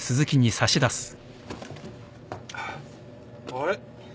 あれ？